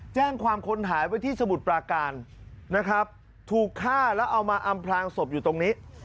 แจ้งความคนหายไปที่สมุทรปราการนะครับถูกฆ่าแล้วเอามาอำพลางศพอยู่ตรงนี้